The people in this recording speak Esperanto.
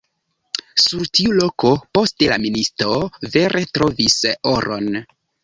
Sur tiu loko poste la ministo vere trovis oron.